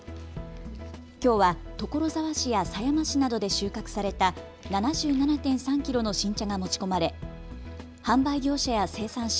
きょうは所沢市や狭山市などで収穫された７７．３キロの新茶が持ち込まれ販売業者や生産者